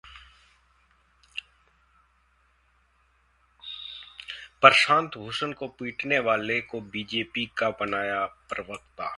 प्रशांत भूषण को पीटने वाले को बीजेपी ने बनाया प्रवक्ता